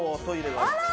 あら！